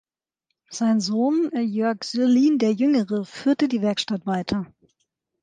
Sein Sohn Jörg Syrlin der Jüngere führte die Werkstatt weiter.